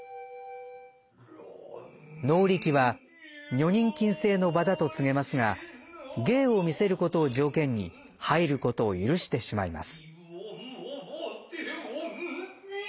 能力は女人禁制の場だと告げますが芸を見せることを条件に入ることを許してしまいます。